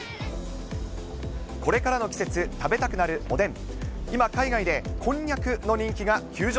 これからの季節、食べたくなるおでん。